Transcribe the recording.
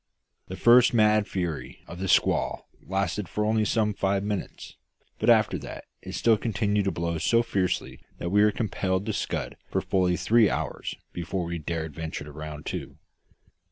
The first mad fury of the squall lasted for only some five minutes; but after that it still continued to blow so fiercely that we were compelled to scud for fully three hours before we dared venture to round to.